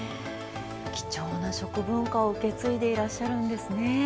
貴重な食文化を受け継いでいらっしゃるんですね。